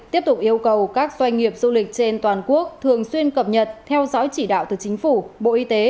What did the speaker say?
tiếp tục yêu cầu các doanh nghiệp du lịch trên toàn quốc thường xuyên cập nhật theo dõi chỉ đạo từ chính phủ bộ y tế